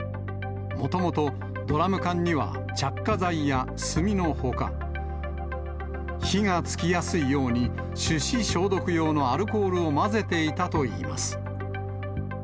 もともとドラム缶には着火剤や炭のほか、火がつきやすいように、手指消毒用のアルコールを混ぜていたといいます。